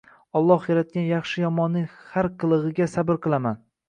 Olloh yaratgan yaxshi-yomonning har qilig`iga sabr qilaman